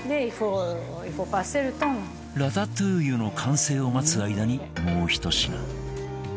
ラタトゥーユの完成を待つ間にもう１品